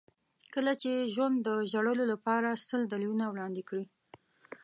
کله چې ژوند د ژړلو لپاره سل دلیلونه وړاندې کړي.